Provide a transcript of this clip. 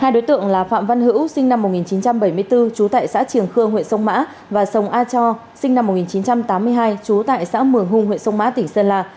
hai đối tượng là phạm văn hữu sinh năm một nghìn chín trăm bảy mươi bốn trú tại xã triềng khương huyện sông mã và sông a cho sinh năm một nghìn chín trăm tám mươi hai trú tại xã mường hùng huyện sông mã tỉnh sơn la